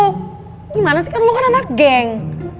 gimana sih kan lo kan anak geng